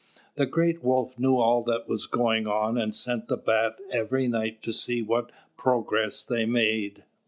The Great Wolf knew all that was going on, and sent the Bat every night to see what progress they made.